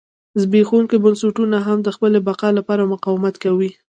زبېښونکي بنسټونه هم د خپلې بقا لپاره مقاومت کوي.